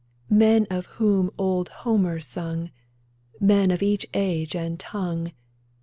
Men whom old Homer sung, Men of each age and tongue.